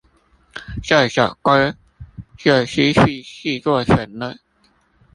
這首歌就失去著作權了